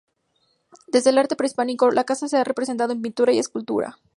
Desde el arte prehistórico, la caza se ha representado en pintura y escultura.